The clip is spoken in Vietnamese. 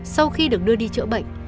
sau khi được đưa đi chữa bệnh